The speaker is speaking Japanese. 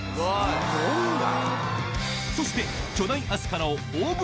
すごいな。